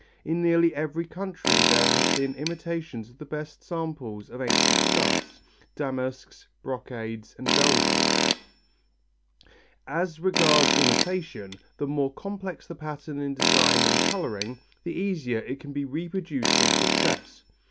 In nearly every country there have been imitators of the best samples of ancient stuffs, damasks, brocades and velvets. As regards imitation, the more complex the pattern in design and colouring, the easier it can be reproduced with success.